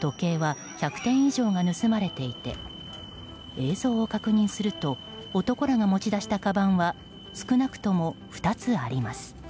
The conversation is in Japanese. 時計は１００点以上が盗まれていて映像を確認すると男らが持ち出したかばんは少なくとも２つあります。